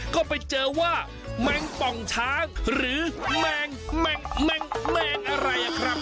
ก็ไปเจอว่าแมงป่องช้างหรือแมงแมงอะไรครับ